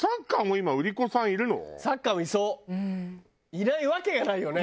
いないわけがないよね！